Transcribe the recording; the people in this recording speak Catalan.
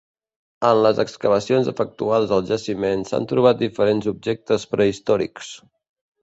En les excavacions efectuades al jaciment s'han trobat diferents objectes prehistòrics.